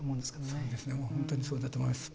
もう本当にそうだと思います。